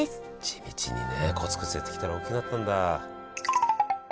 地道にねコツコツやってきたら大きくなったんだ。